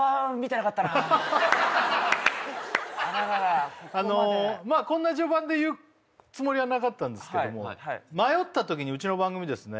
あらららあのまあこんな序盤で言うつもりはなかったんですけども迷った時にうちの番組ですね